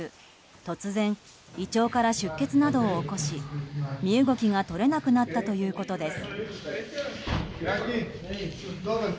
突然、胃腸から出血などを起こし身動きが取れなくなったということです。